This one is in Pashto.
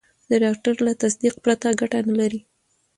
د ډاکټر له تصدیق پرته ګټه نه لري.